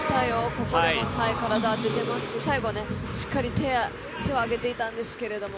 ここでも体を当ててますし最後ね、しっかり手を上げていたんですけども。